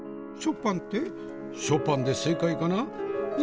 ショパンってショパンで正解かな？